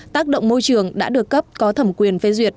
tác động môi trường đã được cấp có thẩm quyền phê duyệt